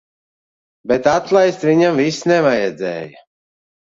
Bet atlaist viņam vis nevajadzēja.